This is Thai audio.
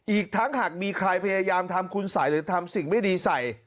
อีกทั้งหากมีใครพยายามทำคุณสัยหรือทำสิ่งไม่ดีใส่